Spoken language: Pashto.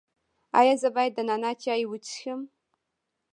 ایا زه باید د نعناع چای وڅښم؟